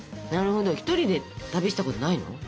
なるほど一人で旅したことないの？